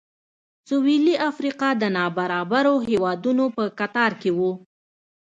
سوېلي افریقا د نابرابرو هېوادونو په کتار کې و.